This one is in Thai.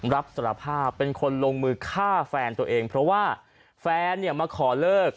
รับสารภาพเป็นคนลงมือฆ่าแฟนตัวเองเพราะว่าแฟนเนี่ยมาขอเลิก